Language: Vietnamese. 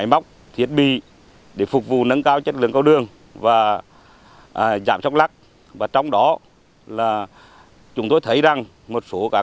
máy nâng mũi gục